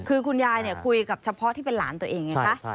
คือคุณยายคุยกับเฉพาะที่เป็นหลานตัวเองไงคะ